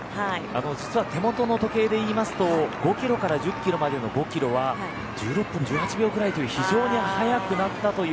実は手元の時計で言いますと５キロから１０キロまでの５キロは１６分１８秒くらいという非常に速くなったという。